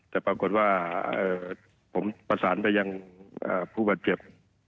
แต่ปรากฏว่าผมประสานไปยังผู้บาดเจ็บ